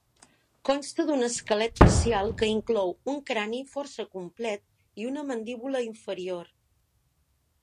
Consta d'un esquelet parcial que inclou un crani força complet i una mandíbula inferior.